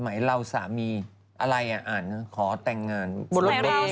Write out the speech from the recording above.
สมัยเราสามีอะไรอ่ะอ่านขอแต่งงานบนรถเมล์อีก